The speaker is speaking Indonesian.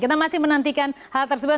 kita masih menantikan hal tersebut